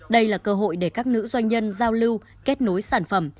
đây là cơ hội để các nữ doanh nhân giao lưu kết nối sản phẩm